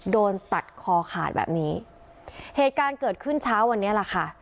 โดนตัดคอขาดแบบนี้เหตุการณ์เกิดขึ้นเช้าวันนี้แหละค่ะ